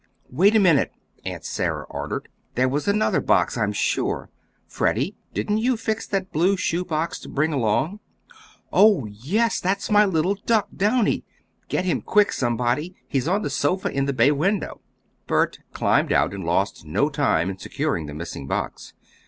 "Wait a minute!" Aunt Sarah ordered. "There was another box, I'm sure. Freddie, didn't you fix that blue shoe box to bring along?" "Oh, yes, that's my little duck, Downy. Get him quick, somebody, he's on the sofa in the bay window!" Bert climbed out and lost no time in securing the missing box.